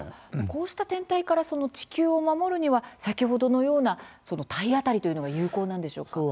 こうした天体から地球を守るのには先ほどのような体当たりというのが有効なんでしょうか？